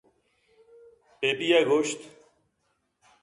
پیپی ءَ گوٛشت